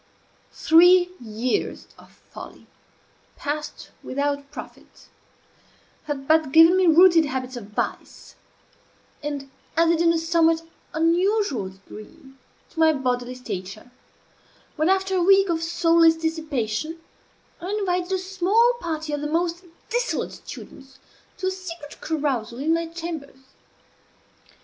Three years of folly, passed without profit, had but given me rooted habits of vice, and added, in a somewhat unusual degree, to my bodily stature, when, after a week of soulless dissipation, I invited a small party of the most dissolute students to a secret carousal in my chambers.